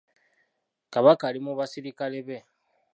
Kabaka ali mu basirikale be.